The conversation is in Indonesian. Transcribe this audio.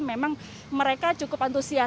memang mereka cukup antusias